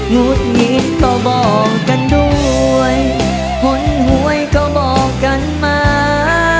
หุดหงิดก็บอกกันด้วยผลหวยก็บอกกันมา